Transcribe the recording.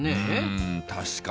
うん確かに。